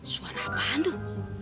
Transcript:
suara apaan tuh